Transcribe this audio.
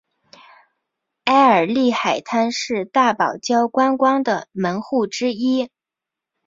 埃尔利海滩是大堡礁观光的门户之一。